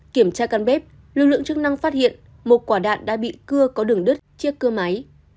kiểm tra căn bếp lực lượng chức năng phát hiện một quả đạn đã bị cưa có đường đứt chiếc cơ máy